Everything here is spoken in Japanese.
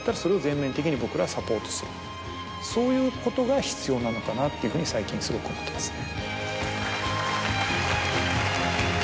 そういうことが必要なのかなっていうふうに最近すごく思ってますね。